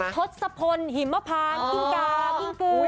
ทศพลหิมพานกิ้งกากิ้งกูล